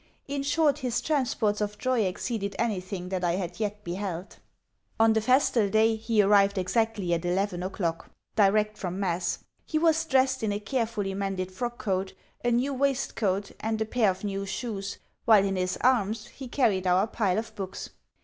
In short, his transports of joy exceeded anything that I had yet beheld. On the festal day he arrived exactly at eleven o'clock, direct from Mass. He was dressed in a carefully mended frockcoat, a new waistcoat, and a pair of new shoes, while in his arms he carried our pile of books.